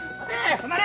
止まれ！